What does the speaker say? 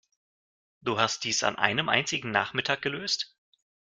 Du hast dies an einem einzigen Nachmittag gelöst?